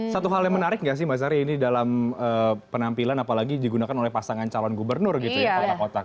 satu hal yang menarik nggak sih mbak sari ini dalam penampilan apalagi digunakan oleh pasangan calon gubernur gitu ya kotak kotak